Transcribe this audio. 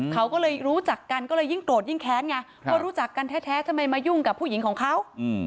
เขาก็เลยรู้จักกันก็เลยยิ่งโกรธยิ่งแค้นไงว่ารู้จักกันแท้ทำไมมายุ่งกับผู้หญิงของเขา